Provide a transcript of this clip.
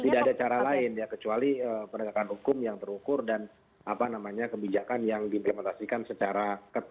tidak ada cara lain ya kecuali penegakan hukum yang terukur dan apa namanya kebijakan yang diimplementasikan secara ketat di bawah begitu